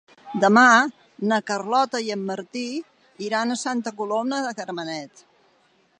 Demà na Carlota i en Martí iran a Santa Coloma de Gramenet.